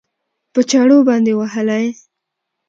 په چاړو باندې وهلى؟